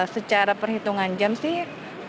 secara perhitungan jam sih